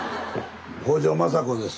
北条政子です。